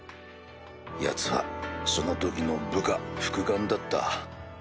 ヤツはその時の部下副官だった。